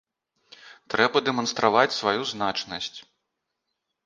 Трэба дэманстраваць сваю значнасць.